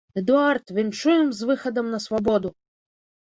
Эдуард, віншуем з выхадам на свабоду!